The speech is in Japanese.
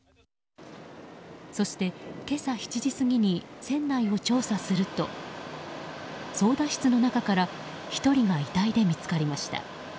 そして今朝７時過ぎに船内を調査すると操舵室の中から１人が遺体で見つかりました。